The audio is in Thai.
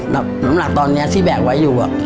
น้ำหนักตอนนี้ที่แบกไว้อยู่